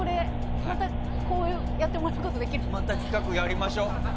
またこういうのやってもらうことできる？また企画、やりましょう！